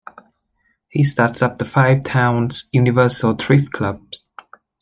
He starts up the Five Towns Universal Thrift Club.